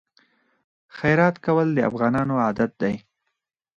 خیرات کول د افغانانو عادت دی.